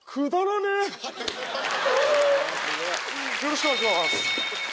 よろしくお願いしまぁす！